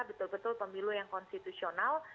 betul betul pemilu yang konstitusional